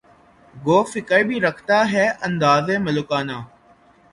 گو فقر بھی رکھتا ہے انداز ملوکانہ